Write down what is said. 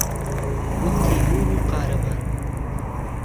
وەک تەيموور و قارهمان